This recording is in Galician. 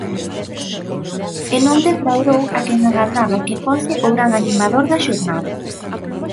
E non defraudou a quen agardaba que fose o gran animador da xornada.